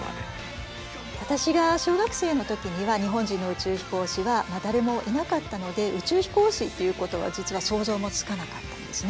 わたしが小学生の時には日本人の宇宙飛行士は誰もいなかったので宇宙飛行士っていうことは実は想像もつかなかったんですね。